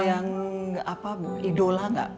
ada yang apa idola gak